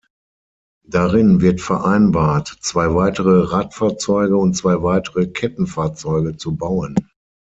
Darin wird vereinbart, zwei weitere Radfahrzeuge und zwei weitere Kettenfahrzeuge zu bauen.